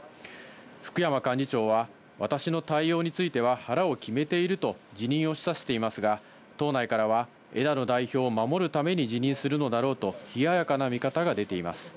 福山幹事長は、私の対応については腹を決めていると、辞任を示唆していますが、党内からは、枝野代表を守るために辞任するのだろうと、冷ややかな見方が出ています。